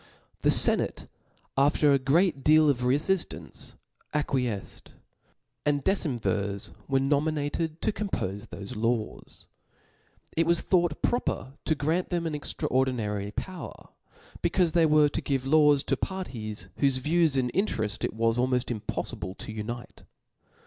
The fenate after a great jdeal of refiftahce acquiefced ; and decemvirs were nominated to compofe tho^ laW9« It was thought ' proper to grant them an extraordinary power, be caufe they were to give laws to parties, whofe views and intcrefts it was almoft impoflible to unite.